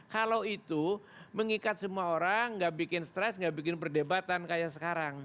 kalau itu mengikat semua orang gak bikin stress gak bikin perdebatan kayak sekarang